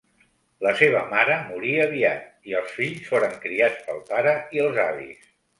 La seva mare morí aviat, i els fills foren criats pel pare i els avis.